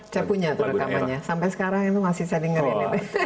saya punya rekamannya sampai sekarang itu masih saya dengerin